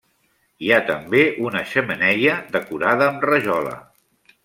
Hi ha també una xemeneia decorada amb rajola.